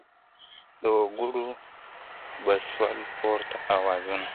د وګړو به سول پورته آوازونه `